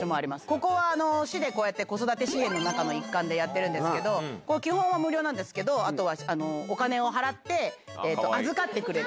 ここは市で子育て支援の中の一環でやってるんですけど、これ、基本は無料なんですけど、あとはお金を払って、預かってくれる。